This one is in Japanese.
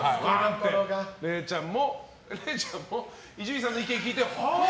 れいちゃんも伊集院さんの意見を聞いてはー！